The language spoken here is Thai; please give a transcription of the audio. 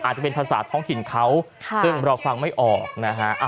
อาจจะเป็นภาษาท้องถิ่นเขาซึ่งเราฟังไม่ออกนะฮะ